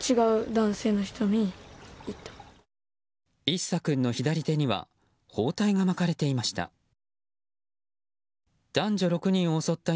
一咲君の左手には包帯が巻かれていました。